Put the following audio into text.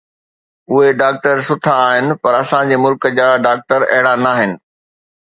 اهي ڊاڪٽر سٺا آهن، پر اسان جي ملڪ جا ڊاڪٽر اهڙا ناهن